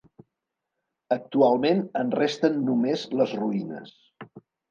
Actualment, en resten només les ruïnes.